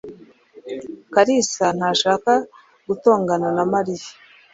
Kalisa ntashaka gutongana na Mariya.